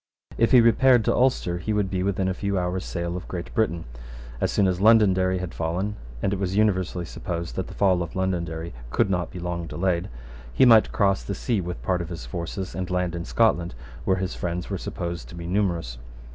If he repaired to Ulster, he would be within a few hours' sail of Great Britain. As soon as Londonderry had fallen, and it was universally supposed that the fall of Londonderry could not be long delayed, he might cross the sea with part of his forces, and land in Scotland, where his friends were supposed to be numerous.